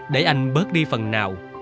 để anh bớt đi phần nào